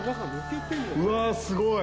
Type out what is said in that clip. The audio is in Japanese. うわあ、すごい！